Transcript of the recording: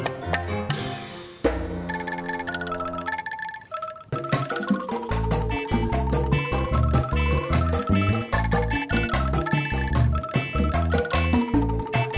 gak ada yang ngapain